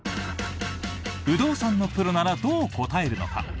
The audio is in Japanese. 不動産のプロならどう答えるのか。